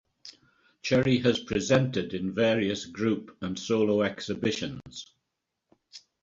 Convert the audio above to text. Cherry has presented in various group and solo exhibitions.